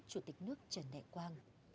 chủ tịch nước trần đại quang